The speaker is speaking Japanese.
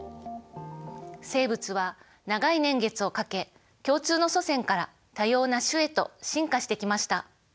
生物は長い年月をかけ共通の祖先から多様な種へと進化してきました。